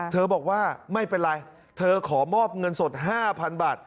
บอกว่าไม่เป็นไรเธอขอมอบเงินสด๕๐๐๐บาท